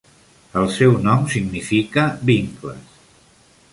El seu nom significa "vincles".